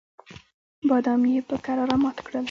بادام یې په کراره مات کړل.